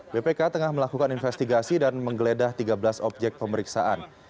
bpk tengah melakukan investigasi dan menggeledah tiga belas objek pemeriksaan